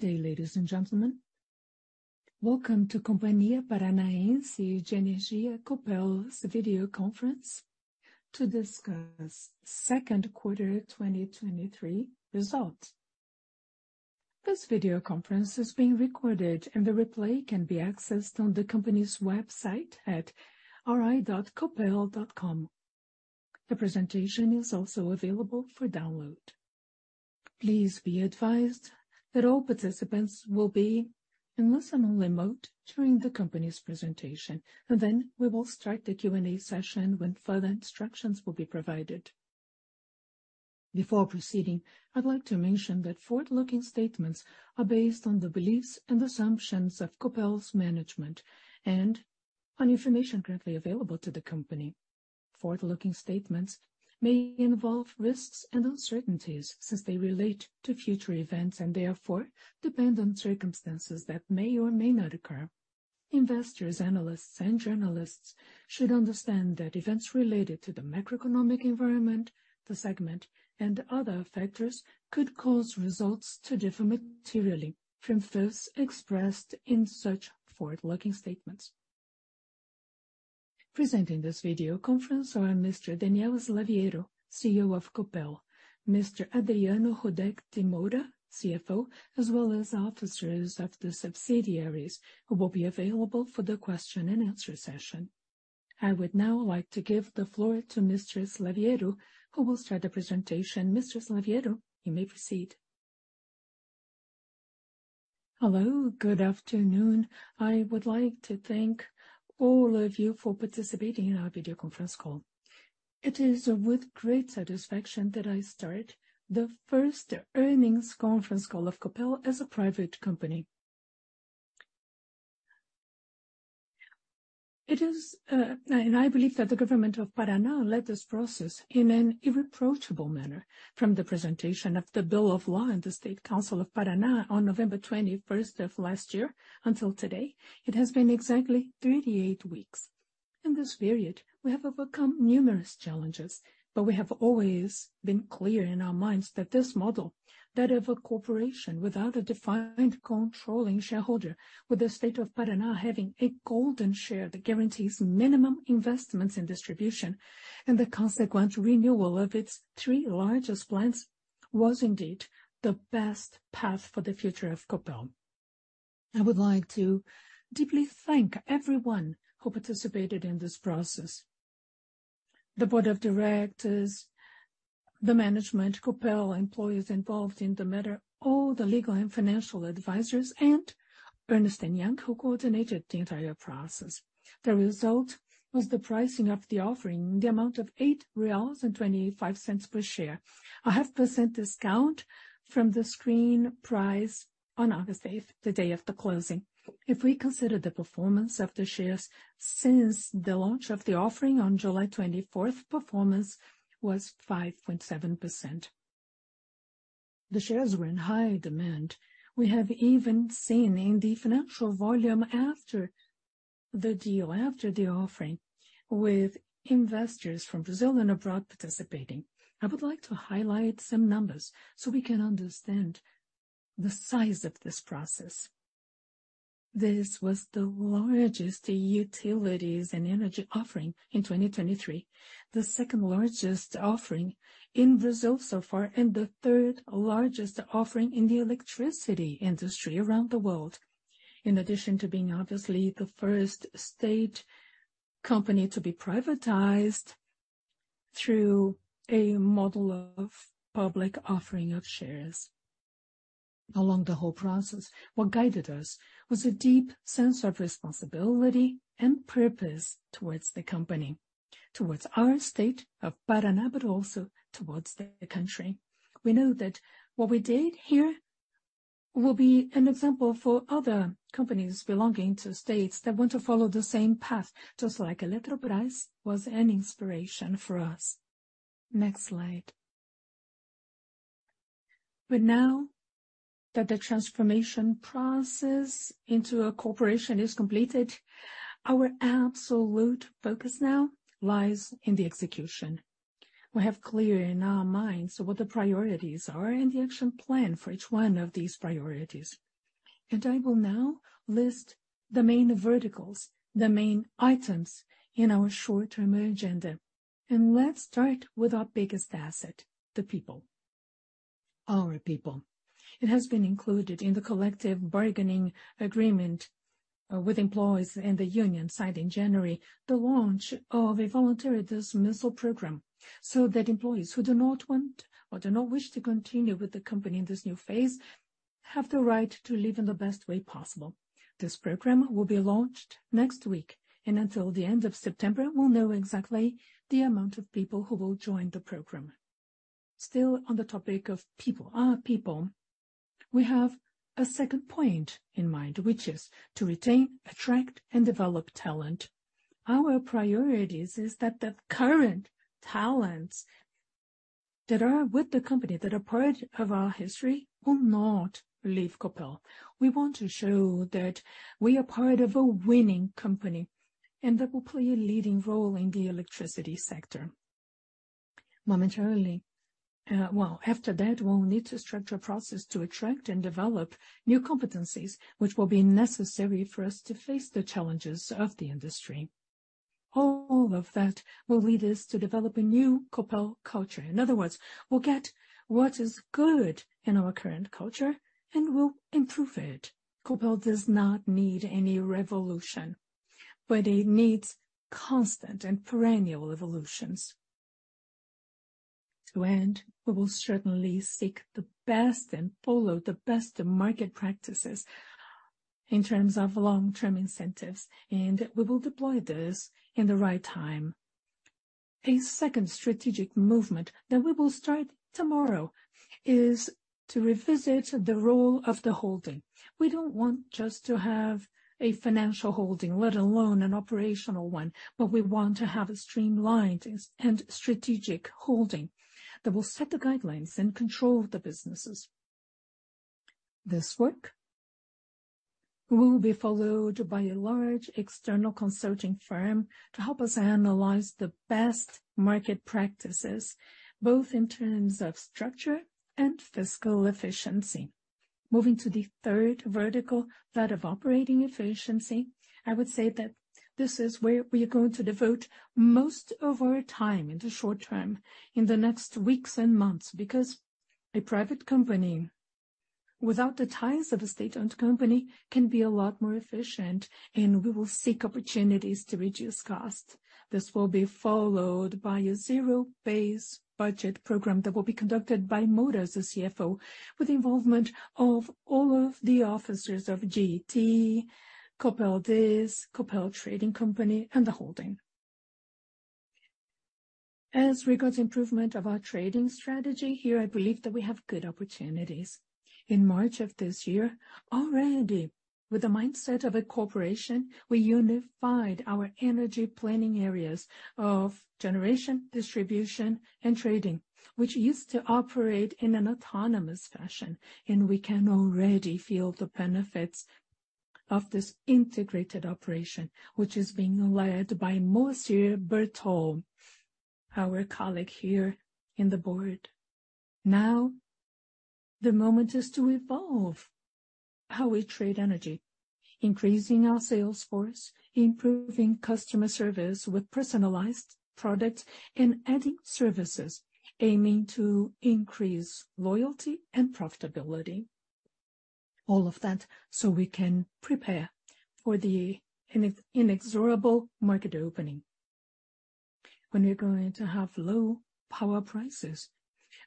Good day, ladies and gentlemen. Welcome to Companhia Paranaense de Energia Copel's video conference to discuss second quarter 2023 results. This video conference is being recorded, and the replay can be accessed on the company's website at ri.copel.com. The presentation is also available for download. Please be advised that all participants will be in listen-only mode during the company's presentation, and then we will start the Q&A session when further instructions will be provided. Before proceeding, I'd like to mention that forward-looking statements are based on the beliefs and assumptions of Copel's management and on information currently available to the company. Forward-looking statements may involve risks and uncertainties since they relate to future events and therefore depend on circumstances that may or may not occur. Investors, analysts, and journalists should understand that events related to the macroeconomic environment, the segment, and other factors could cause results to differ materially from those expressed in such forward-looking statements. Presenting this video conference are Mr. Daniel Slaviero, CEO of Copel, Mr. Adriano Rudek de Moura, CFO, as well as officers of the subsidiaries, who will be available for the question and answer session. I would now like to give the floor to Mr. Slaviero, who will start the presentation. Mr. Slaviero, you may proceed. Hello, good afternoon. I would like to thank all of you for participating in our video conference call. It is with great satisfaction that I start the first earnings conference call of Copel as a private company. It is, and I believe that the government of Paraná led this process in an irreproachable manner. From the presentation of the bill of law and the Legislative Assembly of Paraná on November 21st of last year until today, it has been exactly 38 weeks. In this period, we have overcome numerous challenges, but we have always been clear in our minds that this model, that of a corporation without a defined controlling shareholder, with the state of Paraná having a golden share that guarantees minimum investments in distribution and the consequent renewal of its three largest plants, was indeed the best path for the future of Copel. I would like to deeply thank everyone who participated in this process. The board of directors, the management, Copel employees involved in the matter, all the legal and financial advisors, and Ernst & Young, who coordinated the entire process. The result was the pricing of the offering in the amount of 8.25 reais per share, a 0.5% discount from the screen price on August 8th, the day of the closing. If we consider the performance of the shares since the launch of the offering on July 24th, performance was 5.7%. The shares were in high demand. We have even seen in the financial volume after the deal, after the offering, with investors from Brazil and abroad participating. I would like to highlight some numbers so we can understand the size of this process. This was the largest utilities and energy offering in 2023, the second largest offering in Brazil so far, and the third largest offering in the electricity industry around the world. In addition to being obviously the first state company to be privatized through a model of public offering of shares. Along the whole process, what guided us was a deep sense of responsibility and purpose towards the company, towards our state of Paraná, but also towards the country. We know that what we did here will be an example for other companies belonging to states that want to follow the same path, just like Eletrobras was an inspiration for us. Next slide. Now that the transformation process into a corporation is completed, our absolute focus now lies in the execution. We have clear in our minds what the priorities are and the action plan for each one of these priorities. I will now list the main verticals, the main items in our short-term agenda. Let's start with our biggest asset, the people, our people. It has been included in the collective bargaining agreement with employees and the union signed in January, the launch of a voluntary dismissal program, so that employees who do not want or do not wish to continue with the company in this new phase, have the right to leave in the best way possible. This program will be launched next week. Until the end of September, we'll know exactly the amount of people who will join the program. Still, on the topic of people, our people, we have a second point in mind, which is to retain, attract, and develop talent. Our priorities is that the current talents that are with the company, that are part of our history, will not leave Copel. We want to show that we are part of a winning company and that will play a leading role in the electricity sector. momentarily. Well, after that, we'll need to structure a process to attract and develop new competencies, which will be necessary for us to face the challenges of the industry. All of that will lead us to develop a new Copel culture. In other words, we'll get what is good in our current culture, and we'll improve it. Copel does not need any revolution, but it needs constant and perennial evolutions. To end, we will certainly seek the best and follow the best of market practices in terms of long-term incentives, and we will deploy this in the right time. A second strategic movement that we will start tomorrow is to revisit the role of the holding. We don't want just to have a financial holding, let alone an operational one, but we want to have a streamlined and strategic holding that will set the guidelines and control the businesses. This work will be followed by a large external consulting firm to help us analyze the best market practices, both in terms of structure and fiscal efficiency. Moving to the third vertical, that of operating efficiency, I would say that this is where we are going to devote most of our time in the short term, in the next weeks and months, because a private company, without the ties of a state-owned company, can be a lot more efficient, and we will seek opportunities to reduce costs. This will be followed by a zero-base budget program that will be conducted by Moura, as the CFO, with involvement of all of the officers of GeT, Copel Distribuição, Copel Comercialização S.A., and the holding. As regards improvement of our trading strategy, here, I believe that we have good opportunities. In March of this year, already with the mindset of a corporation, we unified our energy planning areas of generation, distribution, and trading, which used to operate in an autonomous fashion. We can already feel the benefits of this integrated operation, which is being led by Moacir Bertol, our colleague here in the board. Now, the moment is to evolve how we trade energy, increasing our sales force, improving customer service with personalized products, and adding services, aiming to increase loyalty and profitability. All of that, so we can prepare for the inexorable market opening, when we're going to have low power prices,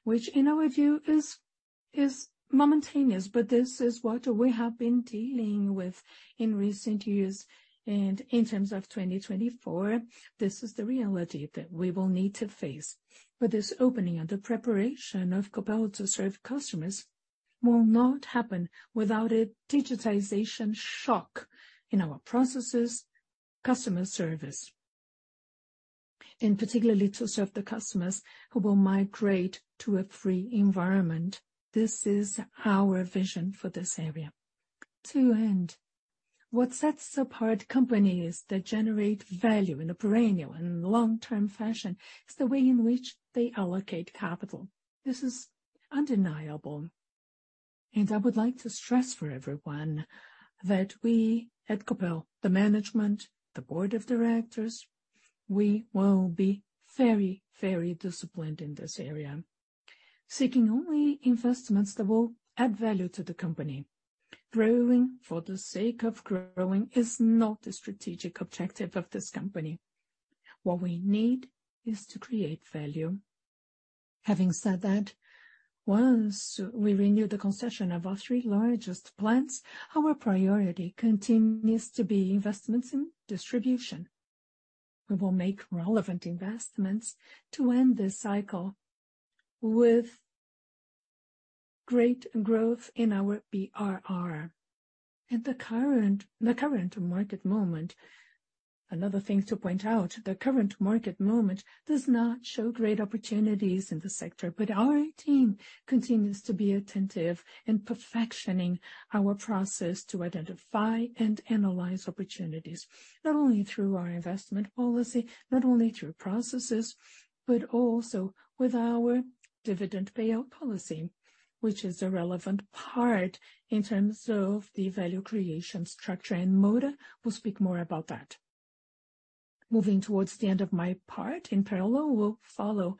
which in our view, is momentous. This is what we have been dealing with in recent years. In terms of 2024, this is the reality that we will need to face. This opening and the preparation of Copel to serve customers will not happen without a digitization shock in our processes, customer service, and particularly to serve the customers who will migrate to a free environment. This is our vision for this area. To end, what sets apart companies that generate value in a perennial and long-term fashion is the way in which they allocate capital. This is undeniable, and I would like to stress for everyone that we at Copel, the management, the board of directors, we will be very, very disciplined in this area, seeking only investments that will add value to the company. Growing for the sake of growing is not the strategic objective of this company. What we need is to create value. Having said that, once we renew the concession of our three largest plants, our priority continues to be investments in distribution. We will make relevant investments to end this cycle with great growth in our BRR. The current, the current market moment, another thing to point out, the current market moment does not show great opportunities in the sector, but our team continues to be attentive in perfecting our process to identify and analyze opportunities, not only through our investment policy, not only through processes, but also with our dividend payout policy, which is a relevant part in terms of the value creation structure, and Moura will speak more about that. Moving towards the end of my part, in parallel, we'll follow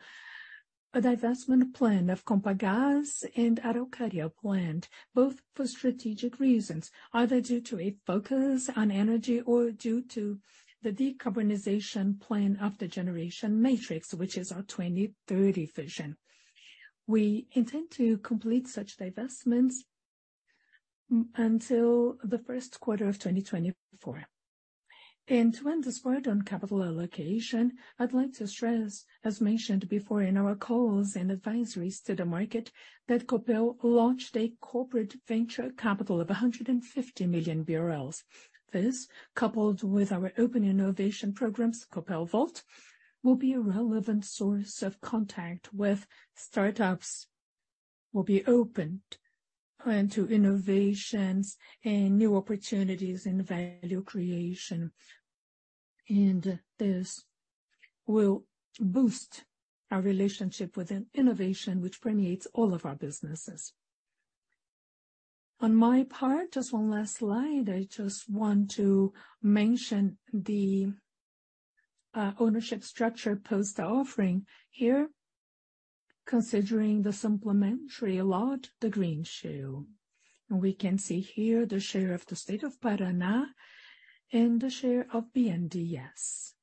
a divestment plan of Compagas and Araucária planned, both for strategic reasons, either due to a focus on energy or due to the decarbonization plan of the generation matrix, which is our 2030 vision. We intend to complete such divestments until the first quarter of 2024. To end this part on capital allocation, I'd like to stress, as mentioned before in our calls and advisories to the market, that Copel launched a corporate venture capital of 150 million BRL. This, coupled with our open innovation programs, Copel Volt, will be a relevant source of contact with startups-... will be opened and to innovations and new opportunities in value creation, and this will boost our relationship with an innovation which permeates all of our businesses. On my part, just one last slide, I just want to mention the ownership structure post offering here, considering the supplementary a lot, the golden share. We can see here the share of the state of Paraná and the share of BNDES.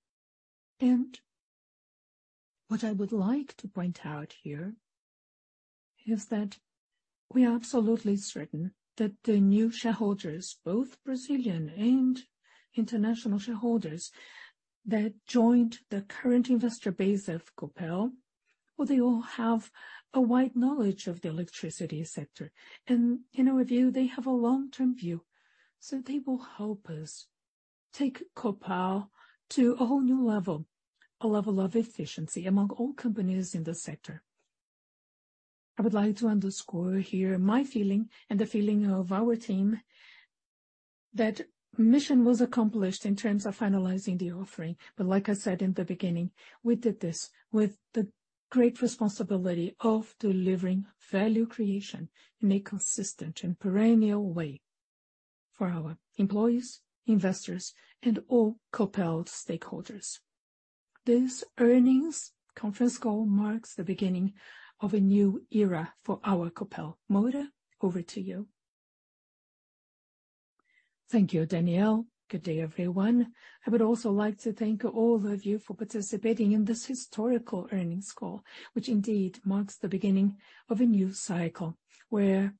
What I would like to point out here is that we are absolutely certain that the new shareholders, both Brazilian and international shareholders, that joined the current investor base of Copel, well, they all have a wide knowledge of the electricity sector, and in our view, they have a long-term view, they will help us take Copel to a whole new level, a level of efficiency among all companies in the sector. I would like to underscore here my feeling and the feeling of our team, that mission was accomplished in terms of finalizing the offering. Like I said in the beginning, we did this with the great responsibility of delivering value creation in a consistent and perennial way for our employees, investors, and all Copel stakeholders. This earnings conference call marks the beginning of a new era for our Copel. Moura, over to you. Thank you, Daniel. Good day, everyone. I would also like to thank all of you for participating in this historical earnings call, which indeed marks the beginning of a new cycle, where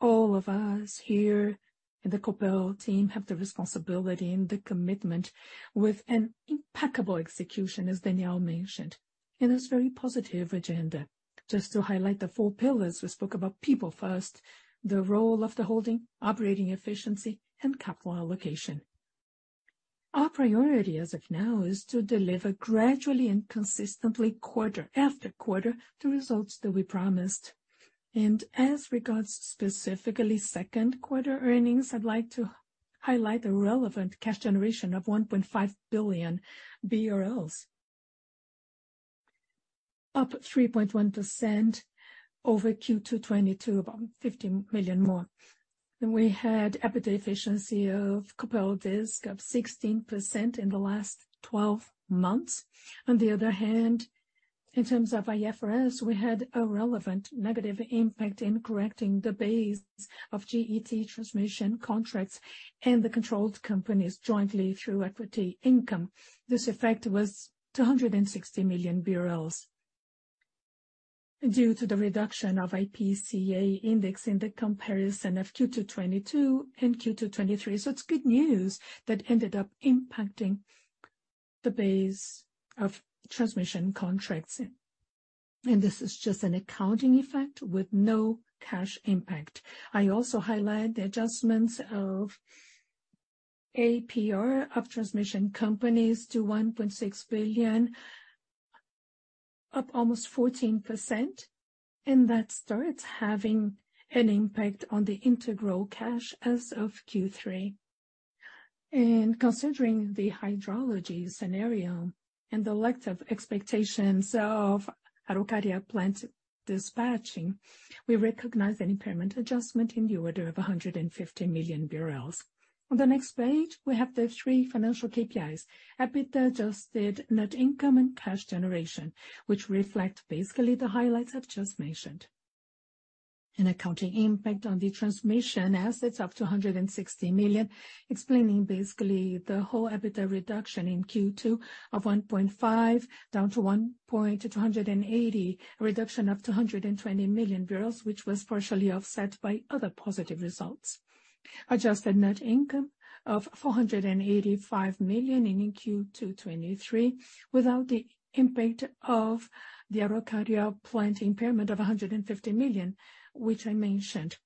all of us here in the Copel team have the responsibility and the commitment with an impeccable execution, as Daniel mentioned, in this very positive agenda. Just to highlight the four pillars, we spoke about people first, the role of the holding, operating efficiency, and capital allocation. Our priority, as of now, is to deliver gradually and consistently, quarter after quarter, the results that we promised. As regards, specifically second quarter earnings, I'd like to highlight a relevant cash generation of 1.5 billion, up 3.1% over Q2 2022, about 50 million more. We had EBITDA efficiency of Copel DIS of 16% in the last 12 months. On the other hand, in terms of IFRS, we had a relevant negative impact in correcting the base of GET transmission contracts and the controlled companies jointly through equity income. This effect was 260 million BRL due to the reduction of IPCA index in the comparison of Q2 2022 and Q2 2023. It's good news that ended up impacting the base of transmission contracts, and this is just an accounting effect with no cash impact. I also highlight the adjustments of RAP of transmission companies to 1.6 billion, up almost 14%, and that starts having an impact on the integral cash as of Q3. Considering the hydrology scenario and the lack of expectations of Araucária Plant dispatching, we recognize an impairment adjustment in the order of 150 million BRL. On the next page, we have the three financial KPIs, EBITDA, adjusted net income, and cash generation, which reflect basically the highlights I've just mentioned. An accounting impact on the transmission assets of 260 million, explaining basically the whole EBITDA reduction in Q2 of 1.5 billion, down to 1.28 billion, a reduction of 220 million BRL, which was partially offset by other positive results. Adjusted net income of 485 million in Q2 2023, without the impact of the Araucária Plant impairment of 150 million, which I mentioned,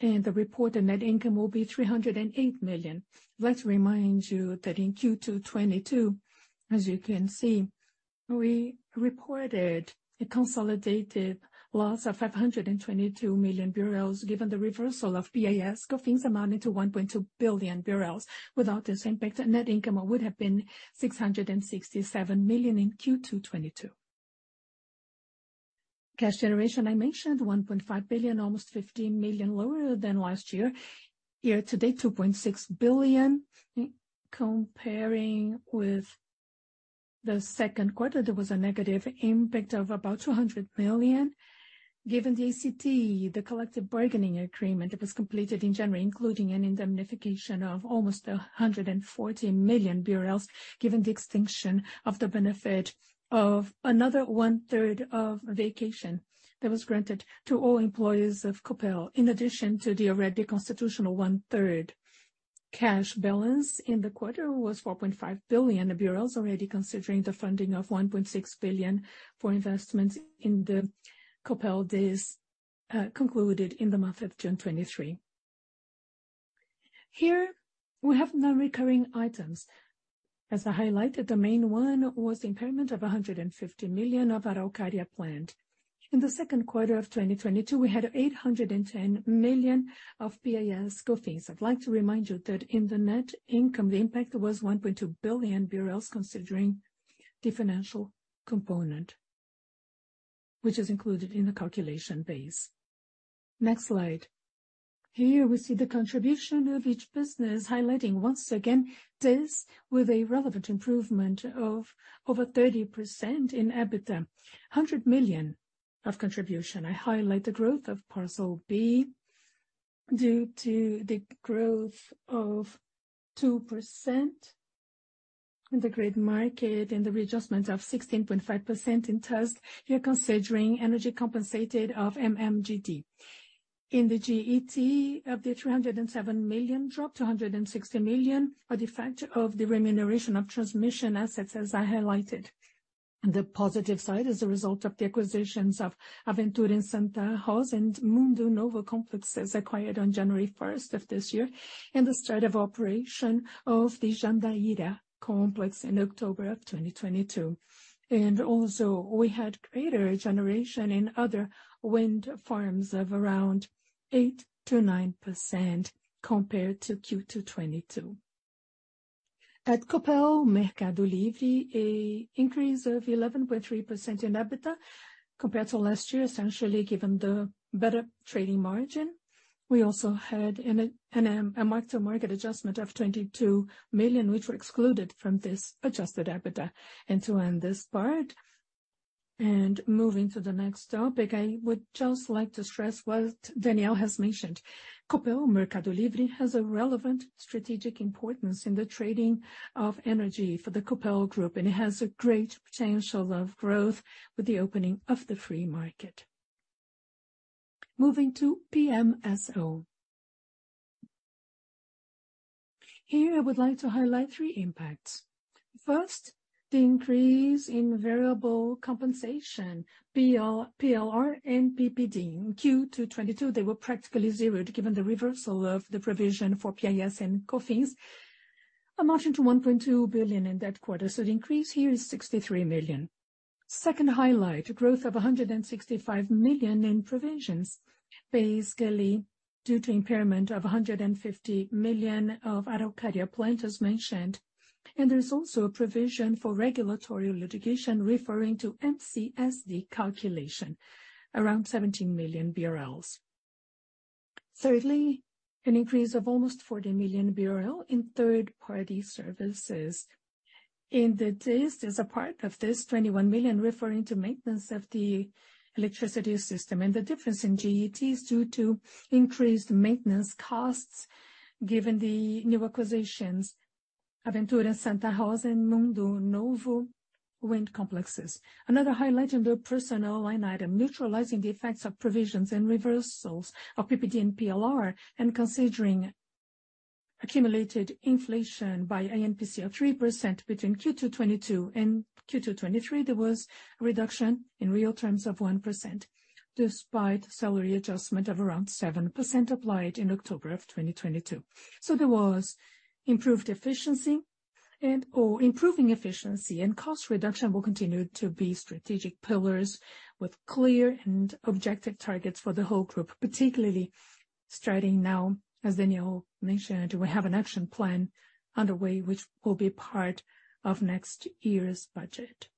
and the reported net income will be 308 million. Let's remind you that in Q2 2022, as you can see, we reported a consolidated loss of 522 million BRL, given the reversal of PIS COFINS amounting to 1.2 billion BRL. Without this impact, net income would have been 667 million in Q2 2022. Cash generation, I mentioned 1.5 billion, almost 50 million lower than last year. Year to date, 2.6 billion. Comparing with the second quarter, there was a negative impact of about 200 million. Given the ACT, the collective bargaining agreement, that was completed in January, including an indemnification of almost 140 million BRL, given the extinction of the benefit of another one-third of vacation that was granted to all employees of Copel, in addition to the already constitutional one-third. Cash balance in the quarter was 4.5 billion BRL, already considering the funding of 1.6 billion for investments in the Copel DIS, concluded in the month of June 2023. Here, we have non-recurring items. As I highlighted, the main one was the impairment of 150 million of Araucária Plant. In the second quarter of 2022, we had 810 million of PIS/COFINS. I'd like to remind you that in the net income, the impact was 1.2 billion BRL, considering the financial component, which is included in the calculation base. Next slide. Here we see the contribution of each business, highlighting once again, this with a relevant improvement of over 30% in EBITDA. 100 million of contribution. I highlight the growth of Parcel B, due to the growth of 2% in the great market and the readjustment of 16.5% in TUSD. Here, considering energy compensated of MMGD. In the GET, of the 307 million drop to 160 million, are the effect of the remuneration of transmission assets, as I highlighted. The positive side is a result of the acquisitions of Aventura Santa Rosa and Mundo Novo complexes, acquired on January 1st of this year, and the start of operation of the Jandaíra complex in October of 2022. Also, we had greater generation in other wind farms of around 8%-9% compared to Q2 2022. At Copel Mercado Livre, a increase of 11.3% in EBITDA compared to last year, essentially, given the better trading margin. We also had an, an, a mark-to-market adjustment of 22 million, which were excluded from this adjusted EBITDA. To end this part and moving to the next topic, I would just like to stress what Daniel has mentioned. Copel Mercado Livre has a relevant strategic importance in the trading of energy for the Copel Group, and it has a great potential of growth with the opening of the free market. Moving to PMSO. Here, I would like to highlight three impacts. First, the increase in variable compensation, PL, PLR and PPD. In Q2 2022, they were practically zero, given the reversal of the provision for PIS and COFINS, amounting to 1.2 billion in that quarter. The increase here is 63 million. Second highlight, a growth of 165 million in provisions, basically due to impairment of 150 million of Araucária Plant, as mentioned, and there's also a provision for regulatory litigation referring to MCSD calculation, around 17 million BRL. Thirdly, an increase of almost 40 million BRL in third-party services. In the test, as a part of this, 21 million referring to maintenance of the electricity system, and the difference in GET is due to increased maintenance costs, given the new acquisitions, Aventura Santa Rosa and Mundo Novo wind complexes. Another highlight in the personal line item, neutralizing the effects of provisions and reversals of PPD and PLR, and considering accumulated inflation by INPC of 3% between Q2 2022 and Q2 2023, there was a reduction in real terms of 1%, despite salary adjustment of around 7% applied in October 2022. There was improved efficiency and/or improving efficiency, and cost reduction will continue to be strategic pillars with clear and objective targets for the whole group, particularly starting now. As Daniel mentioned, we have an action plan underway, which will be part of next year's budget.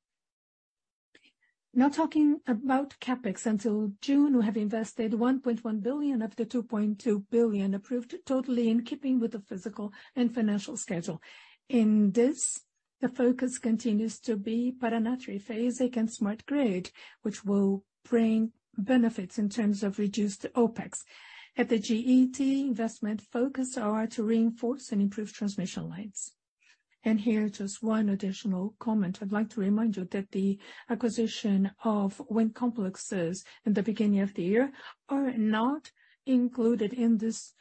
Talking about CapEx. Until June, we have invested 1.1 billion of the 2.2 billion approved, totally in keeping with the physical and financial schedule. In this, the focus continues to be Paranatóri phase against Smart Grid, which will bring benefits in terms of reduced OpEx. At the GET, investment focus are to reinforce and improve transmission lines. Here, just 1 additional comment. I'd like to remind you that the acquisition of wind complexes in the beginning of the year are not included in this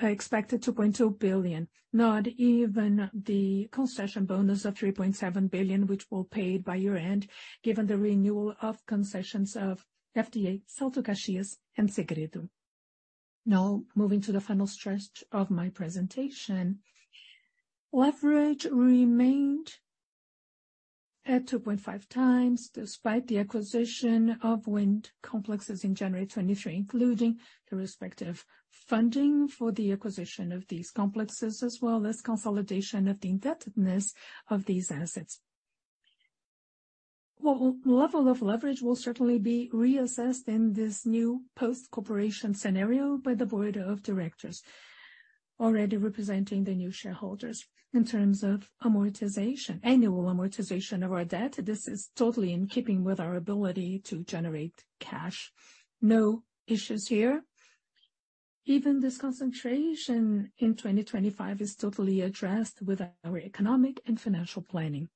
expected 2.2 billion, not even the concession bonus of 3.7 billion, which will paid by year-end, given the renewal of concessions of FDA, Salto Caxias and Segredo. Moving to the final stretch of my presentation. Leverage remained at 2.5 times, despite the acquisition of wind complexes in January 2023, including the respective funding for the acquisition of these complexes, as well as consolidation of the indebtedness of these assets. Well, level of leverage will certainly be reassessed in this new post-corporation scenario by the board of directors, already representing the new shareholders in terms of amortization, annual amortization of our debt. This is totally in keeping with our ability to generate cash. No issues here. Even this concentration in 2025 is totally addressed with our economic and financial planning.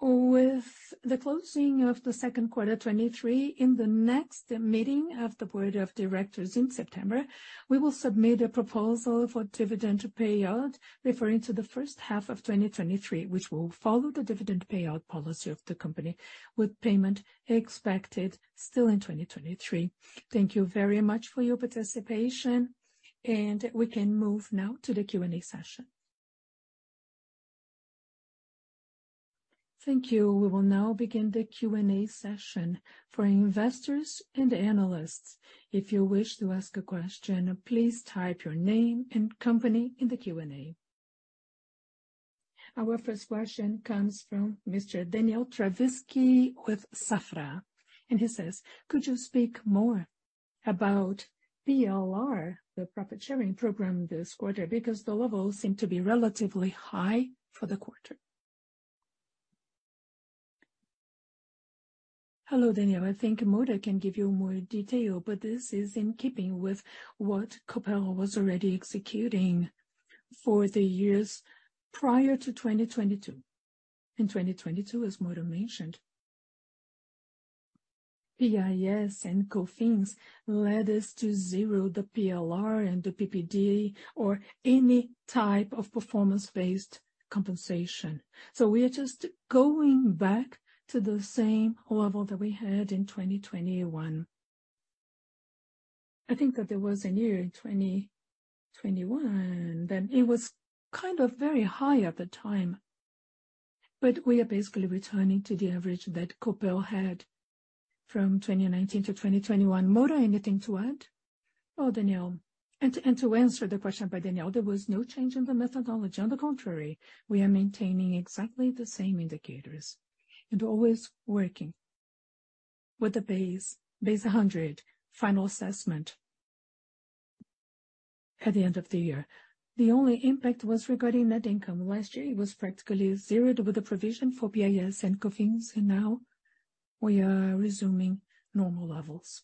Lastly, with the closing of the second quarter, 2023, in the next meeting of the board of directors in September, we will submit a proposal for dividend payout referring to the first half of 2023, which will follow the dividend payout policy of the company, with payment expected still in 2023. Thank you very much for your participation. We can move now to the Q&A session. Thank you. We will now begin the Q&A session for investors and analysts. If you wish to ask a question, please type your name and company in the Q&A. Our first question comes from Mr. Daniel Traviski with Safra. He says, "Could you speak more about PLR, the profit-sharing program, this quarter? Because the levels seem to be relatively high for the quarter." Hello, Daniel. I think Moura can give you more detail, but this is in keeping with what Copel was already executing for the years prior to 2022. In 2022, as Moura mentioned, PIS and COFINS led us to zero the PLR and the PPD or any type of performance-based compensation. We are just going back to the same level that we had in 2021. I think that there was a year in 2021, then it was kind of very high at the time, but we are basically returning to the average that Copel had from 2019 to 2021. Moura, anything to add? Well, Daniel, and to answer the question by Daniel, there was no change in the methodology. On the contrary, we are maintaining exactly the same indicators and always working with the base, base one hundred final assessment at the end of the year. The only impact was regarding net income. Last year, it was practically zeroed with the provision for PIS and COFINS, and now we are resuming normal levels.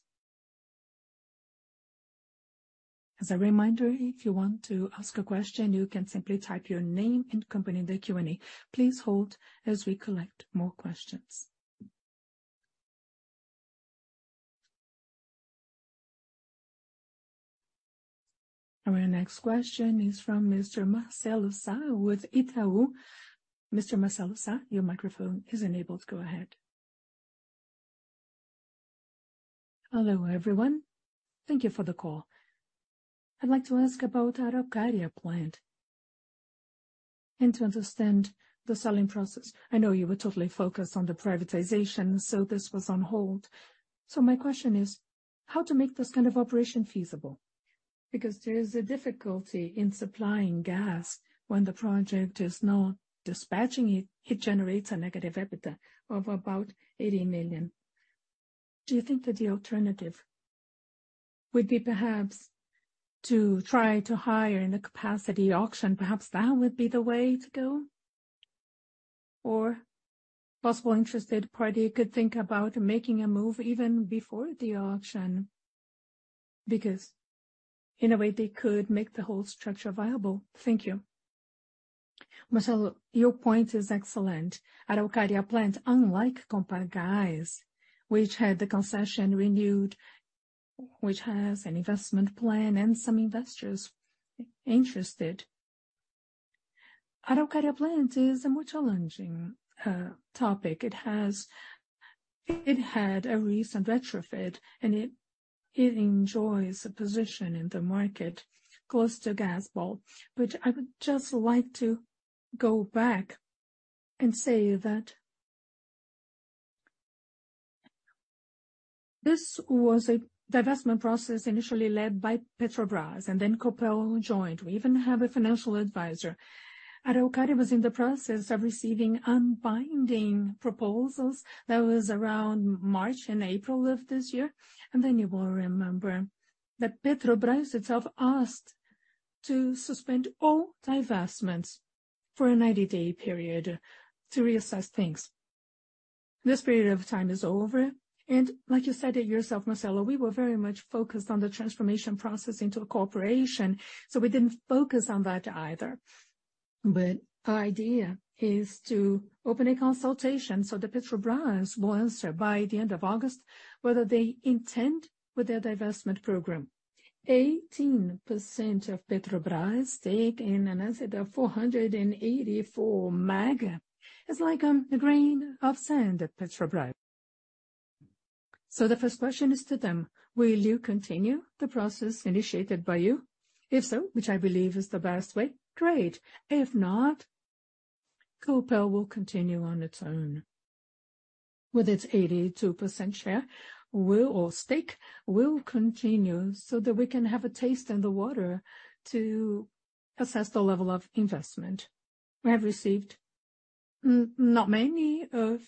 As a reminder, if you want to ask a question, you can simply type your name and company in the Q&A. Please hold as we collect more questions. Our next question is from Mr. Marcelo Sá with Itaú. Mr. Marcelo Sá, your microphone is enabled. Go ahead. Hello, everyone. Thank you for the call. I'd like to ask about Araucária Plant and to understand the selling process. I know you were totally focused on the privatization, so this was on hold. My question is, how to make this kind of operation feasible? There is a difficulty in supplying gas when the project is not dispatching it. It generates a negative EBITDA of about 80 million. Do you think that the alternative would be perhaps to try to hire in a capacity auction? Perhaps that would be the way to go, or possible interested party could think about making a move even before the auction, because in a way, they could make the whole structure viable. Thank you. Marcelo, your point is excellent. Araucária Plant, unlike Compagas, which had the concession renewed, which has an investment plan and some investors interested. Araucária Plant is a more challenging topic. It had a recent retrofit, and it, it enjoys a position in the market close to GASBOL. Which I would just like to go back and say that... This was a divestment process initially led by Petrobras, and then Copel joined. We even have a financial advisor. Araucária was in the process of receiving unbinding proposals. That was around March and April of this year. You will remember that Petrobras itself asked to suspend all divestments for a 90-day period to reassess things. This period of time is over, like you said it yourself, Marcelo, we were very much focused on the transformation process into a corporation, we didn't focus on that either. The idea is to open a consultation so that Petrobras will answer by the end of August, whether they intend with their divestment program. 18% of Petrobras stake in an asset of 484 mag, is like, a grain of sand at Petrobras. The first question is to them: Will you continue the process initiated by you? If so, which I believe is the best way, great. If not, Copel will continue on its own. With its 82% share, will or stake, will continue so that we can have a taste in the water to assess the level of investment. We have received not many, a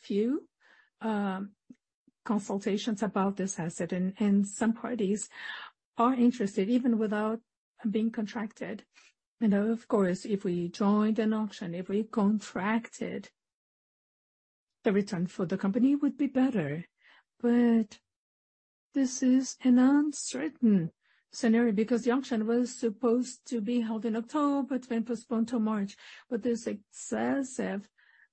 few, consultations about this asset, and some parties are interested, even without being contracted. Of course, if we joined an auction, if we contracted, the return for the company would be better. This is an uncertain scenario because the auction was supposed to be held in October, but then postponed to March. With this excessive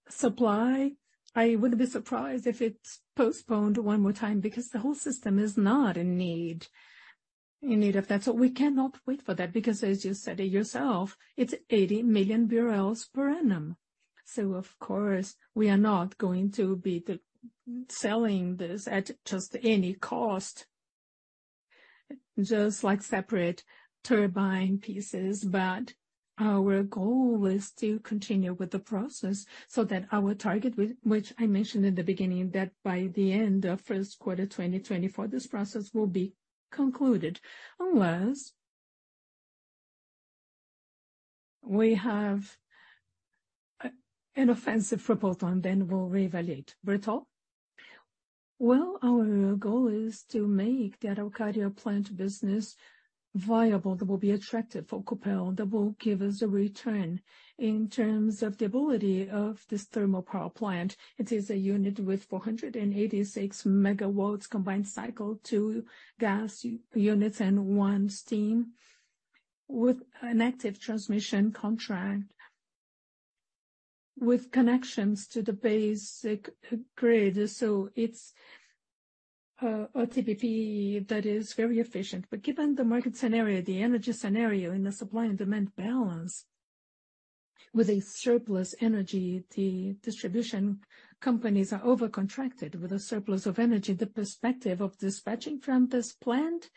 supply, I wouldn't be surprised if it's postponed one more time because the whole system is not in need, in need of that. We cannot wait for that, because as you said it yourself, it's 80 million barrels per annum. Of course, we are not going to be the-- selling this at just any cost.... just like separate turbine pieces. Our goal is to continue with the process so that our target, which, which I mentioned in the beginning, that by the end of first quarter 2024, this process will be concluded. Unless we have an offensive proposal, and then we'll reevaluate. Bertol? Well, our goal is to make the Araucária Plant business viable, that will be attractive for Copel, that will give us a return. In terms of the ability of this thermal power plant, it is a unit with 486 megawatts combined cycle, two gas units and one steam, with an active transmission contract, with connections to the basic grid. It's a TPP that is very efficient. Given the market scenario, the energy scenario, and the supply and demand balance with a surplus energy, the distribution companies are over-contracted with a surplus of energy. The perspective of dispatching from this plant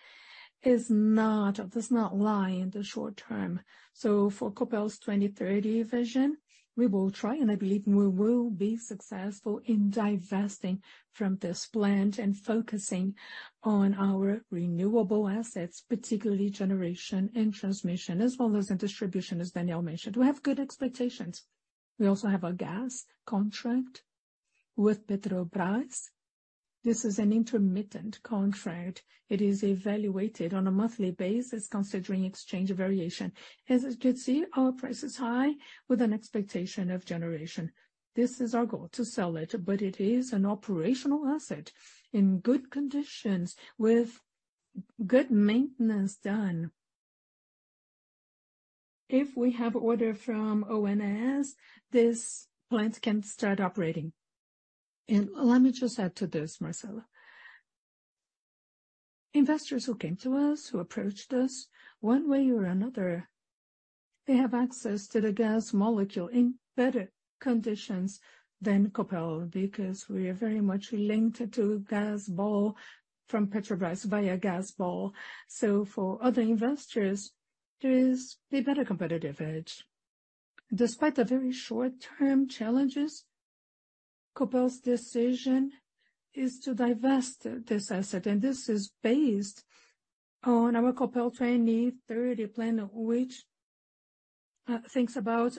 does not lie in the short term. For Copel's twenty-thirty vision, we will try, and I believe we will be successful in divesting from this plant and focusing on our renewable assets, particularly generation and transmission, as well as in distribution, as Daniel mentioned. We have good expectations. We also have a gas contract with Petrobras. This is an intermittent contract. It is evaluated on a monthly basis, considering exchange variation. As you can see, our price is high, with an expectation of generation. This is our goal, to sell it, but it is an operational asset in good conditions, with good maintenance done. If we have order from ONS, this plant can start operating. Let me just add to this, Marcelo. Investors who came to us, who approached us, one way or another, they have access to the gas molecule in better conditions than Copel, because we are very much linked to GASBOL from Petrobras via GASBOL. For other investors, there is a better competitive edge. Despite the very short-term challenges, Copel's decision is to divest this asset, this is based on our Copel 2030 plan, which thinks about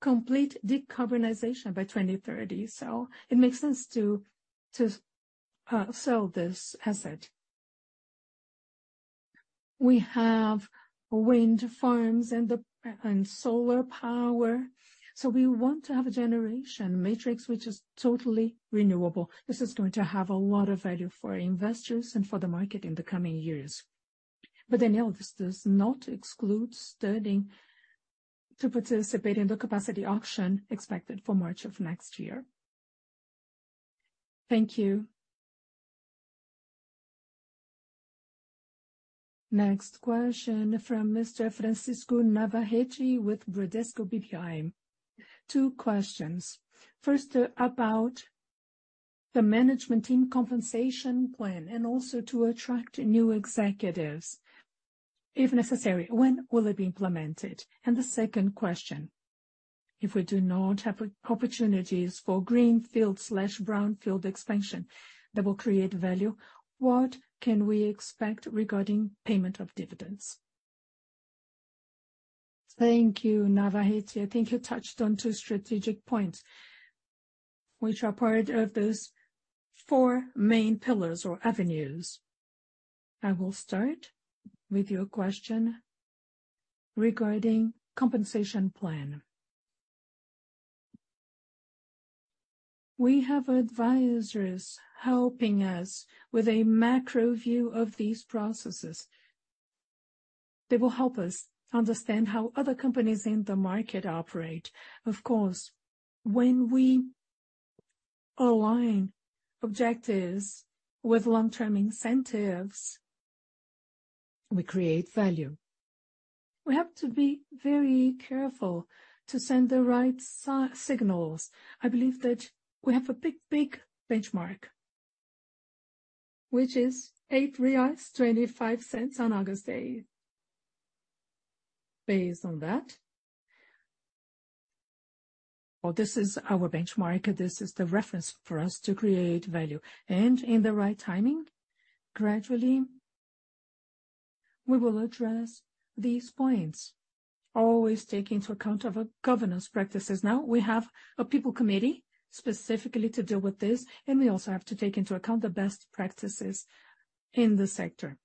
complete decarbonization by 2030. It makes sense to sell this asset. We have wind farms and solar power, we want to have a generation matrix, which is totally renewable. This is going to have a lot of value for investors and for the market in the coming years. Daniel, this does not exclude studying to participate in the capacity auction expected for March of next year. Thank you. Next question from Mr. Francisco Navarrete with Bradesco BBI. Two questions. First, about the management team compensation plan and also to attract new executives, if necessary, when will it be implemented? The second question: If we do not have opportunities for greenfield/brownfield expansion that will create value, what can we expect regarding payment of dividends? Thank you, Navarrete. I think you touched on two strategic points, which are part of those four main pillars or avenues. I will start with your question regarding compensation plan. We have advisors helping us with a macro view of these processes. They will help us understand how other companies in the market operate. Of course, when we align objectives with long-term incentives, we create value. We have to be very careful to send the right signals. I believe that we have a big, big benchmark, which is 8.25 reais on August 8th. Based on that, well, this is our benchmark. This is the reference for us to create value, and in the right timing, gradually, we will address these points, always taking into account of our governance practices. Now, we have a people committee specifically to deal with this, and we also have to take into account the best practices in the sector.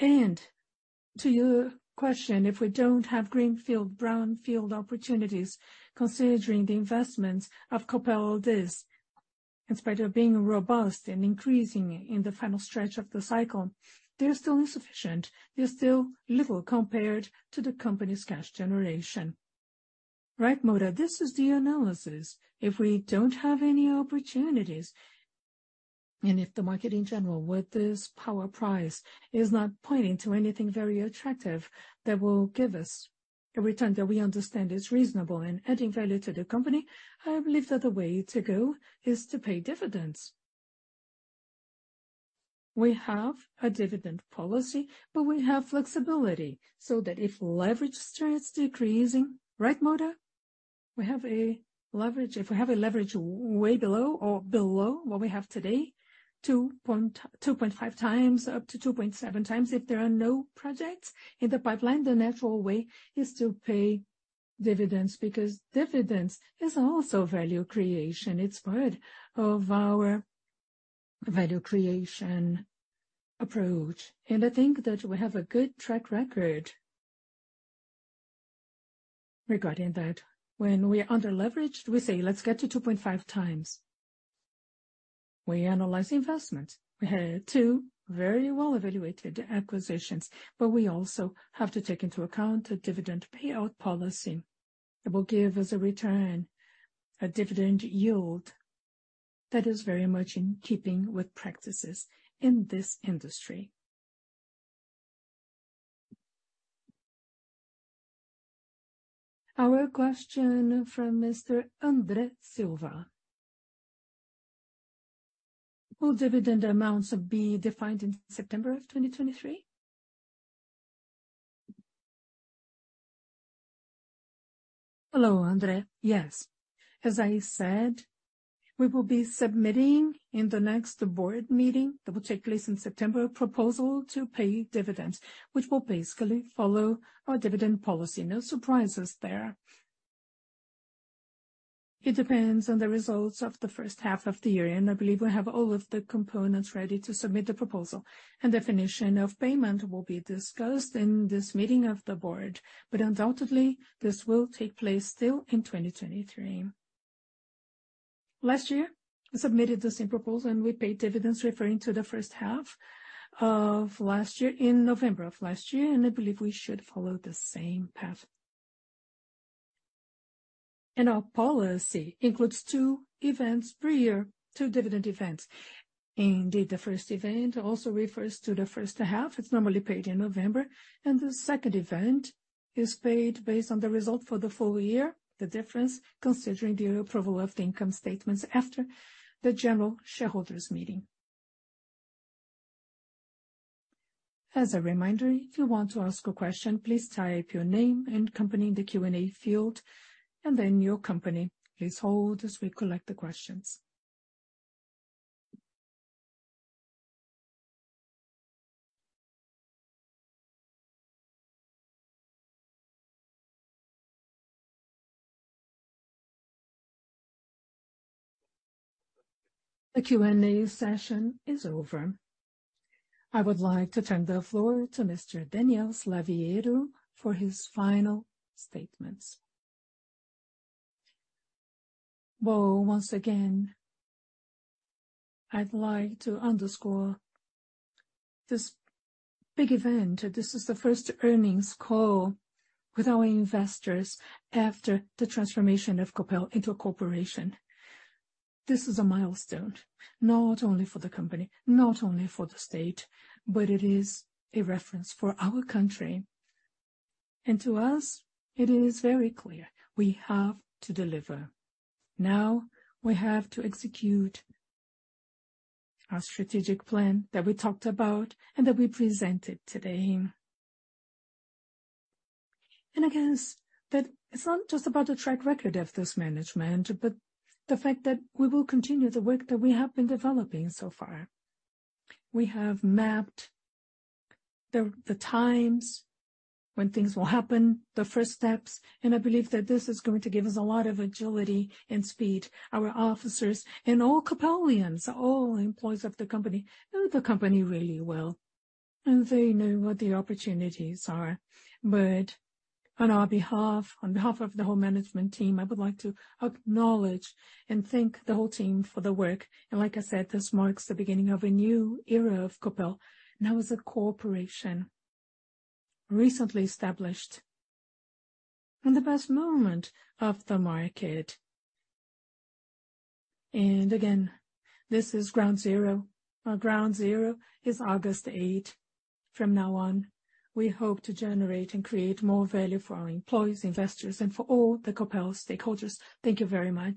To your question, if we don't have greenfield, brownfield opportunities, considering the investments of Copel this, in spite of being robust and increasing in the final stretch of the cycle, they're still insufficient. They're still little compared to the company's cash generation. Right, Moura? This is the analysis. If we don't have any opportunities, if the market in general, with this power price, is not pointing to anything very attractive, that will give us. Every time that we understand it's reasonable and adding value to the company, I believe that the way to go is to pay dividends. We have a dividend policy, we have flexibility so that if leverage starts decreasing, right, Moura? We have a leverage. If we have a leverage way below or below what we have today, 2.5 times, up to 2.7 times. If there are no projects in the pipeline, the natural way is to pay dividends, because dividends is also value creation. It's part of our value creation approach, I think that we have a good track record regarding that. When we are under-leveraged, we say, "Let's get to 2.5 times." We analyze the investment. We also have to take into account the dividend payout policy that will give us a return, a dividend yield that is very much in keeping with practices in this industry. Our question from Mr. André Silva: Will dividend amounts be defined in September of 2023? Hello, André. Yes, as I said, we will be submitting in the next board meeting, that will take place in September, a proposal to pay dividends, which will basically follow our dividend policy. No surprises there. It depends on the results of the first half of the year, I believe we have all of the components ready to submit the proposal. Definition of payment will be discussed in this meeting of the board, but undoubtedly, this will take place still in 2023. Last year, we submitted the same proposal, and we paid dividends referring to the first half of last year, in November of last year, I believe we should follow the same path. Our policy includes two events per year, two dividend events. Indeed, the first event also refers to the first half. It's normally paid in November, and the second event is paid based on the result for the full year. The difference, considering the approval of the income statements after the general shareholders meeting. As a reminder, if you want to ask a question, please type your name and company in the Q&A field, and then your company. Please hold as we collect the questions. The Q&A session is over. I would like to turn the floor to Mr. Daniel Slaviero for his final statements. Well, once again, I'd like to underscore this big event. This is the first earnings call with our investors after the transformation of Copel into a corporation. This is a milestone, not only for the company, not only for the state, but it is a reference for our country and to us, it is very clear we have to deliver. Now, we have to execute our strategic plan that we talked about and that we presented today. Again, that it's not just about the track record of this management, but the fact that we will continue the work that we have been developing so far. We have mapped the times when things will happen, the first steps, and I believe that this is going to give us a lot of agility and speed. Our officers and all Copelians, all employees of the company, know the company really well, and they know what the opportunities are. On our behalf, on behalf of the whole management team, I would like to acknowledge and thank the whole team for the work. Like I said, this marks the beginning of a new era of Copel. Now, as a corporation, recently established and the best moment of the market. Again, this is ground zero. Our ground zero is August 8. From now on, we hope to generate and create more value for our employees, investors, and for all the Copel stakeholders. Thank you very much.